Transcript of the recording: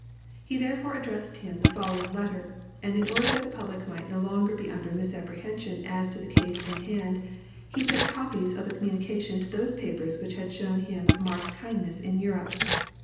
He therefore addressed him the following letter, and in order that the public might no longer be under misapprehension as to the case in hand, he sent copies of the communication to those papers which had shown him marked kindness in Europe.